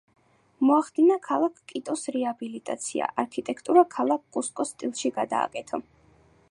მოახდინა ქალაქ კიტოს რეაბილიტაცია, არქიტექტურა ქალაქ კუსკოს სტილში გადააკეთა.